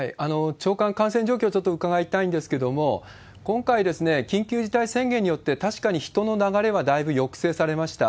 長官、感染状況をちょっと伺いたいんですけれども、今回、緊急事態宣言によって確かに人の流れはだいぶ抑制されました。